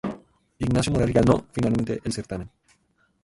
Ignacio del Moral ganó finalmente el certamen.